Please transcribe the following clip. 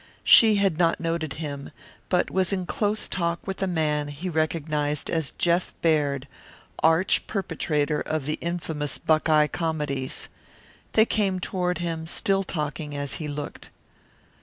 She had not noted him, but was in close talk with a man he recognized as Jeff Baird, arch perpetrator of the infamous Buckeye comedies. They came toward him, still talking, as he looked.